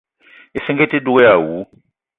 Issinga ite dug èè àwu